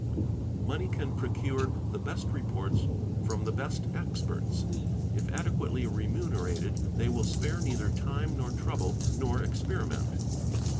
Money can procure the best reports from the best experts, if adequately remunerated they will spare neither time, nor trouble, nor experiment.